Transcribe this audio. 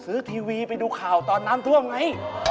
ซื้อทีวีไปดูข่าวตอนน้ำทั่วไง